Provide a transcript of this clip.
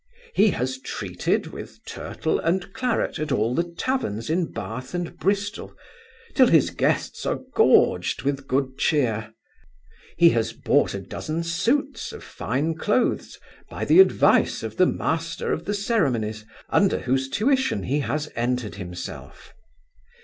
He has treated with turtle and claret at all the taverns in Bath and Bristol, till his guests are gorged with good chear: he has bought a dozen suits of fine clothes, by the advice of the Master of the Ceremonies, under whose tuition he has entered himself.